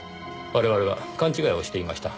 我々は勘違いをしていました。